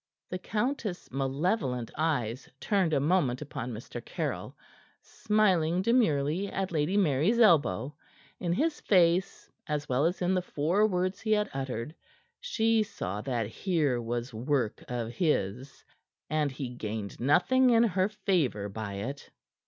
The countess' malevolent eyes turned a moment upon Mr. Caryll, smiling demurely at Lady Mary's elbow. In his face as well as in the four words he had uttered she saw that here was work of his, and he gained nothing in her favor by it.